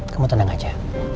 kamu tenang aja